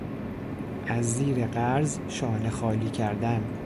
از زیر قرض شانه خالی کردن